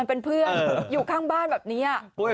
เป็นเพื่อนอยู่ข้างบ้านแบบนี้